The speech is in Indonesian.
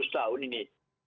seratus tahun ini